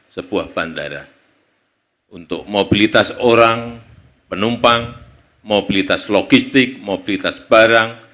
sebuah bandara untuk mobilitas orang penumpang mobilitas logistik mobilitas barang